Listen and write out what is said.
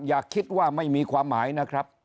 อย่าคิดว่าไม่มีความหมายนะครับ